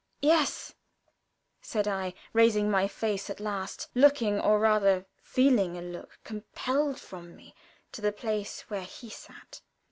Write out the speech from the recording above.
"Yes," said I, raising my face at last, looking or rather feeling a look compelled from me, to the place where he sat.